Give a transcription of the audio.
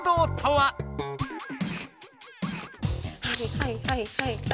はいはいはいはいはい。